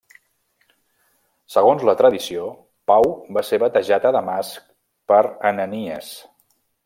Segons la tradició, Pau va ser batejat a Damasc per Ananies.